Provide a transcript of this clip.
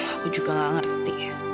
aku juga gak ngerti